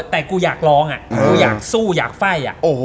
แต่กูอยากร้องกูอยากสู้อยากไฟ่